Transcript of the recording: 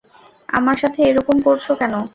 আমার সাথে এরকম করছো কেন?